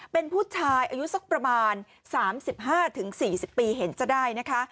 เป็นผู้ชายอายุสักประมาณ๓๕๔๐ปีเห็นจะได้นะคะ